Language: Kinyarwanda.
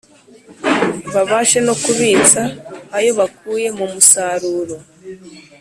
babashe no kubitsa ayo bakuye mu musaruro